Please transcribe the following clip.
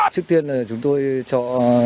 trước tiên là chúng tôi cho